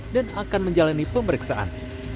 dan akan menjalani pemeriksaan